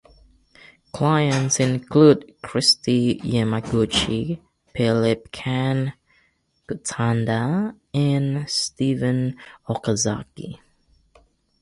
Clients include Kristi Yamaguchi, Philip Kan Gotanda and Steven Okazaki.